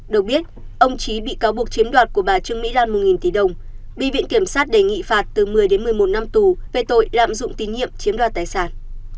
được biết ông trí bị cáo buộc chiếm đoạt của bà trương mỹ lan một tỷ đồng bị viện kiểm sát đề nghị phạt từ một mươi đến một mươi một năm tù về tội lạm dụng tín nhiệm chiếm đoạt tài sản